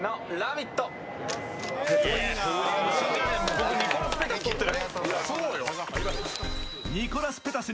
僕、ニコラス・ペタス撮ってる。